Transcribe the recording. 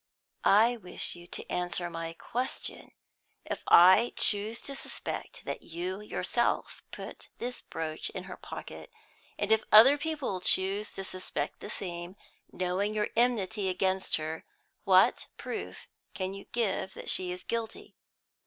"I wish you to answer my question. If I choose to suspect that you yourself put this brooch in her pocket and if other people choose to suspect the same, knowing your enmity against her, what proof can you give that she is guilty?"